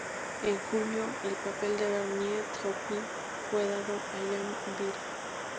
En junio, el papel de Bernie Taupin fue dado a Jamie Bell.